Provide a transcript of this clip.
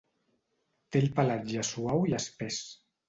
Té el pelatge suau i espès.